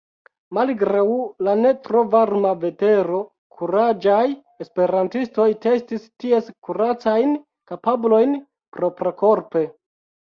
Malgraŭ la ne tro varma vetero, kuraĝaj esperantistoj testis ties kuracajn kapablojn proprakorpe.